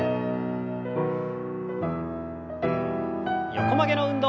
横曲げの運動。